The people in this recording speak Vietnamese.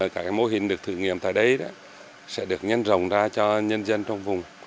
các mô hình được thử nghiệm tại đây sẽ được nhân rồng ra cho nhân dân trong vùng